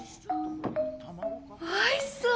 おいしそう！